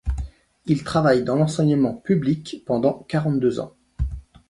Il travaille dans l’enseignement public pendant quarante-deux ans.